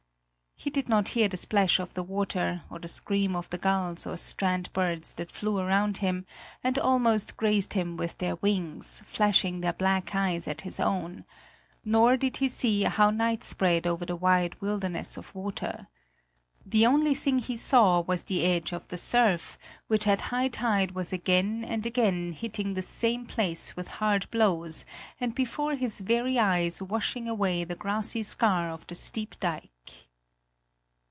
He did not hear the splash of the water, or the scream of the gulls or strand birds that flew round him and almost grazed him with their wings, flashing their black eyes at his own; nor did he see how night spread over the wide wilderness of water. The only thing he saw was the edge of the surf, which at high tide was again and again hitting the same place with hard blows and before his very eyes washing away the grassy scar of the steep dike.